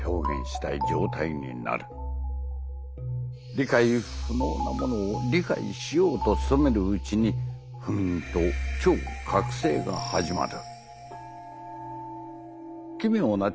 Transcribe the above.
「理解不能なものを理解しようと努めるうちに不眠と超覚醒がはじまる」。